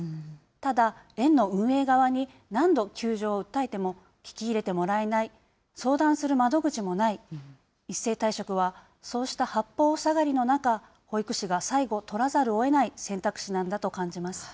ただ、園の運営側に何度窮状を訴えても、聞き入れてもらえない、相談する窓口もない、一斉退職は、そうした八方塞がりの中、保育士が最後、取らざるをえない選択肢なんだと感じます。